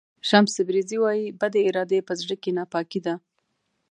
شمس تبریزي وایي بدې ارادې په زړه کې ناپاکي ده.